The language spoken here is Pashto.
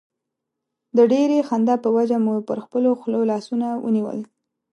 د ډېرې خندا په وجه مو پر خپلو خولو لاسونه ونیول.